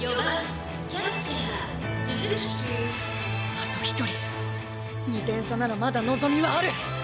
あと１人２点差ならまだ望みはある！